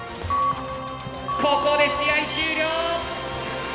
ここで試合終了。